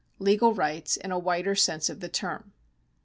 Legal Rights in a wider sense of the term.